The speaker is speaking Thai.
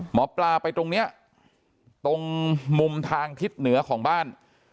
หมอปลาไปตรงนี้ตรงมุมทางทิศเหนือของบ้าน